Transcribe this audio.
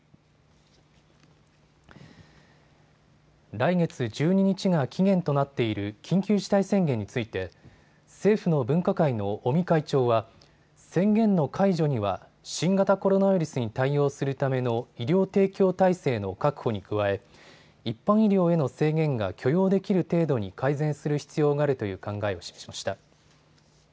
来月１２日が期限となっている緊急事態宣言について政府の分科会の尾身会長は宣言の解除には新型コロナウイルスに対応するための医療提供体制の確保に加え、一般医療への制限が許容できる程度に改善する必要があるという考えを指揮しました。